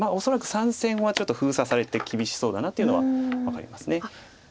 恐らく３線はちょっと封鎖されて厳しそうだなというのは分かります。